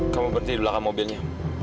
kamu berhenti di belakang mobilnya